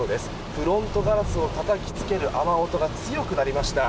フロントガラスをたたきつける雨音が強くなりました。